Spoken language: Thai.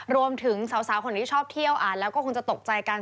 รวมถึงสาวคนนี้ชอบเที่ยวอ่านแล้วก็คงจะตกใจกัน